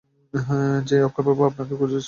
এই-যে অক্ষয়বাবু, আপনাকেই খুঁজছিলুম!